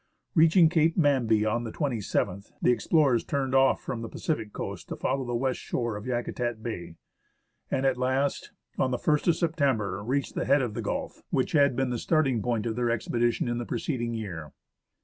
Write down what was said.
Reaching Cape Manby on the 27th, the explorers turned off from the Pacific coast to follow the west shore of Yakutat Bay, and at last, on the ist September, • reached the head of the gulf, which had been the starting point of their expedition in the preceding year.